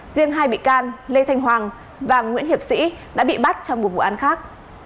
riêng hai bị can lê thanh hoàng và nguyễn hiệp sĩ đã bị bắt trong một vụ án khác